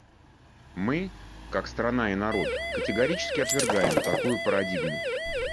Мы, как страна и народ, категорически отвергаем такую парадигму.